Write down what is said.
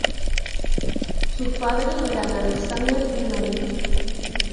Sus padres eran Alexander y Mary.